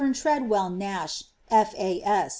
Tredway Nash, F. A. S.